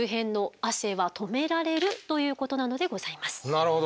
なるほど。